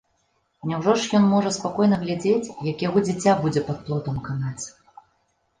Няўжо ж ён можа спакойна глядзець, як яго дзіця будзе пад плотам канаць!